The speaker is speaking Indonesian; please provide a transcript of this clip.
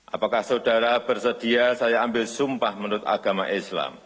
apakah saudara bersedia saya ambil sumpah menurut agama islam